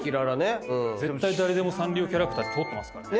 絶対誰でもサンリオキャラクター通ってますからね。